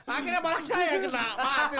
akhirnya malah saya yang kena